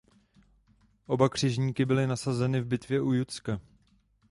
Oba křižníky byly nasazeny v bitvě u Jutska.